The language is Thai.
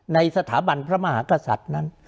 ในสถาบันพระมหากษัตริย์นั้น